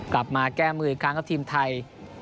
กลับมาแก้มืออีกครั้งครับทีมไทย